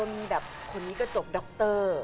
มีแบบคนนี้ก็จบดร